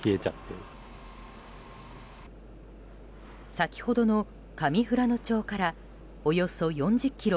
先ほどの上富良野町からおよそ４０ｋｍ